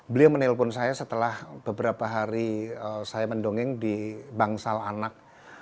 beliau menelpon saya setelah beberapa hari saya mendongeng di bangsal anak